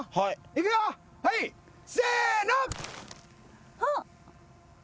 いくよはいせの！